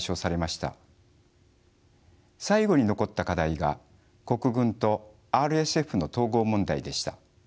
最後に残った課題が国軍とＲＳＦの統合問題でした。